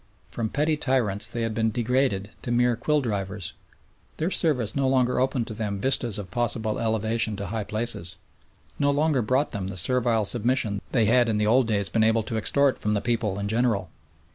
From petty tyrants they had been degraded to mere quill drivers. Their service no longer opened to them vistas of possible elevation to high places, no longer brought them the servile submission they had in the old days been able to extort from the people in general.